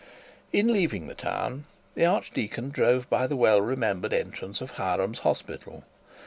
In leaving the town the archdeacon drove by the well remembered entrance of Hiram's hospital.